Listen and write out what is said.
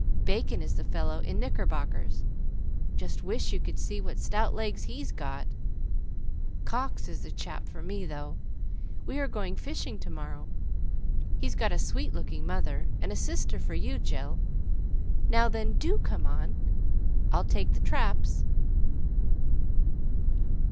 Bacon is the fellow in knickerbockers; just wish you could see what stout legs he's got! Cox is the chap for me, though: we are going fishing to morrow. He's got a sweet looking mother, and a sister for you, Jill. Now, then, do come on, I'll take the traps."